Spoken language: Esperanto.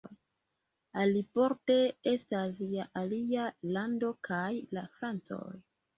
Aliborde estas ja alia lando kaj la Francoj!